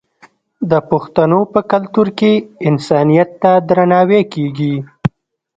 د پښتنو په کلتور کې انسانیت ته درناوی کیږي.